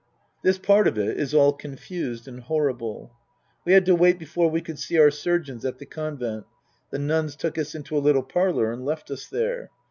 This part of it is all confused and horrible. We had to wait before we could see our surgeons at the Convent. The nuns took us into a little parlour and left us there.